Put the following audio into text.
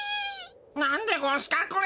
なんでゴンスかこれ！？